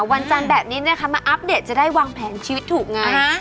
วันจันทร์แบบนี้นะคะมาอัปเดตจะได้วางแผนชีวิตถูกไง